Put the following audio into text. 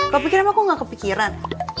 kau pikir aku gak kepikiran